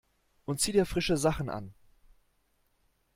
Und zieh dir frische Sachen an!